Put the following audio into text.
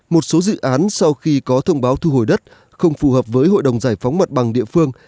một số dự án sau khi có thông báo thu hồi đất không phù hợp với hội đồng giải phóng mặt bằng địa phương